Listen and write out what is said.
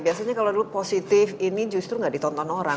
biasanya kalau dulu positif ini justru nggak ditonton orang